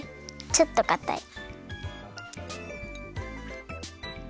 ちょっとかたい。